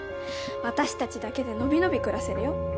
私たちだけでのびのび暮らせるよ。